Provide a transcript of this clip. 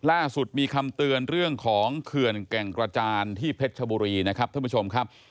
ล่าสุดมีคำเตือนเรื่องของเขื่อนแก่งกระจานที่เพชรชบุรีนะครับท่านผู้ชมครับ